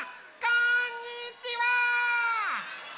こんにちは！